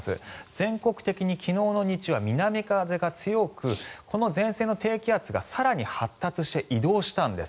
全国的に昨日の日中は南風が強くこの前線の低気圧が更に発達して移動したんです。